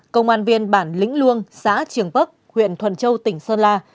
công an viên bản lĩnh luông xã triềng bắc huyện thuần châu tỉnh sơn la